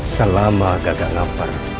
selama gagak ngamper